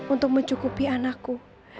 untuk mencukupi anakku